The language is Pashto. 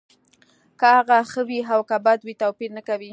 که هغه ښه وي او که بد وي توپیر نه کوي